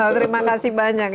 terima kasih banyak